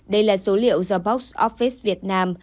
đây là số liệu do box office việt nam